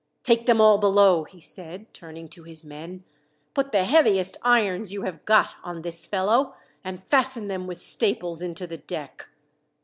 "Take them all below," he said, turning to his men. "Put the heaviest irons you have got on this fellow, and fasten them with staples into the deck.